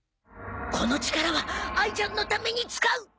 この力はあいちゃんのために使う！